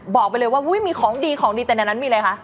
บอกไปเลยว่ามีของดีของดีแต่ในนั้นมีอะไรคะ